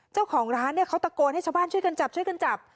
เจ้าของร้านเนี่ยเขาตะโกนให้ชาวบ้านช่วยกันจับ